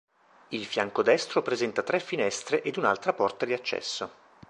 Il fianco destro presenta tre finestre ed un'altra porta di accesso.